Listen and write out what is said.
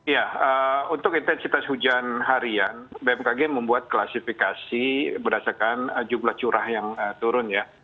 ya untuk intensitas hujan harian bmkg membuat klasifikasi berdasarkan jumlah curah yang turun ya